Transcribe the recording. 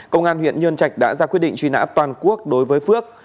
công an huyện nhân trạch đã ra quyết định truy nã toàn quốc đối với phước